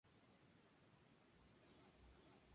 Drum Attack".